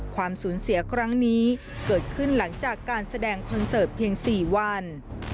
ความสูญเสียครั้งนี้เกิดขึ้นหลังจากการแสดงคอนเสิร์ตเพียง๔วัน